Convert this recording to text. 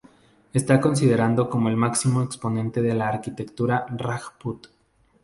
Está considerado como el máximo exponente de la arquitectura rajput.